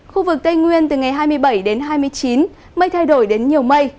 khu vực tây nguyên từ ngày hai mươi bảy đến hai mươi chín mây thay đổi đến nhiều mây